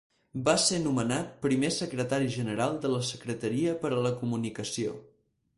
Va ser nomenat primer Secretari General de la Secretaria per a la Comunicació.